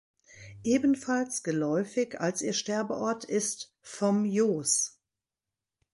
Ebenfalls geläufig als ihr Sterbeort ist "Vom Jos".